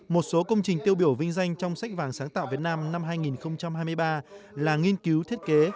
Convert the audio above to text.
một số công trình tiêu biểu vinh danh trong sách vàng sáng tạo việt nam năm hai nghìn hai mươi ba là nghiên cứu thiết kế